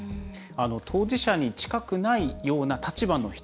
当事者に近くないような立場の人。